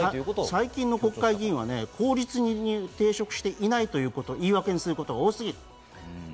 最近の国会議員は公職に抵触していないということを言い訳にする。